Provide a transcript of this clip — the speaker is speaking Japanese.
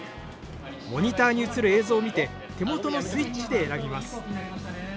モニターに映る映像を見て手元のスイッチで選びます。